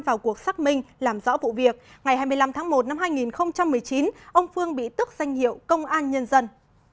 vào cuộc xác minh làm rõ vụ việc ngày hai mươi năm tháng một năm hai nghìn một mươi chín ông phương bị tức danh hiệu công an nhân dân